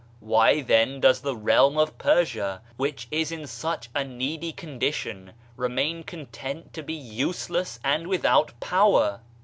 Why then does the realm of Persia, which is in such a needy condition, remain content to be use less and widiout power?